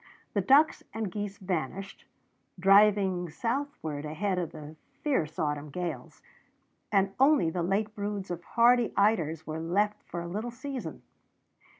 The ducks and geese vanished, driving southward ahead of the fierce autumn gales, and only the late broods of hardy eiders were left for a little season.